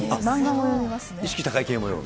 意識高い系も読む？